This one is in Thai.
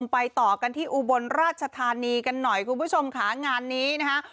ไปต่อกันที่อุบลราชธานีกันหน่อยคุณผู้ชมค่ะงานนี้นะคะ